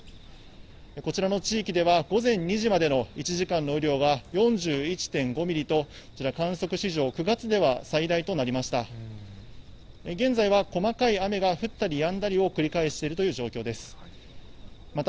こちらの地域では、午前２時までの１時間の雨量は４１．５ミリと、こちら観測史上、９月では最大となりました。